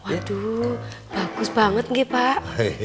waduh bagus banget nge pak